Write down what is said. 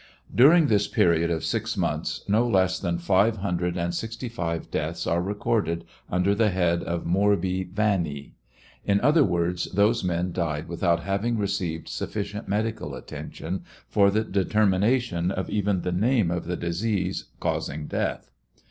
During this period of six months no less than five hundred and sixty five deaths are recorded under the head of morbi vanie. In other words, those men died without having received sufficient med ical attention for the determination of even the name of the disease causing death.